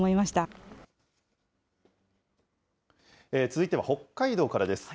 続いては北海道からです。